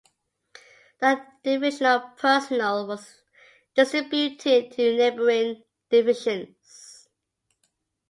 The divisional personnel was distributed to neighboring divisions.